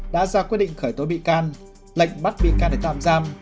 đã ra quyết định khởi tố bị can lệnh bắt bị can để tạm giam